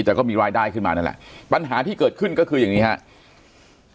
แต่ก็มีรายได้ขึ้นมานั่นแหละปัญหาที่เกิดขึ้นก็คืออย่างนี้ครับ